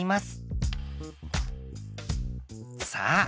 さあ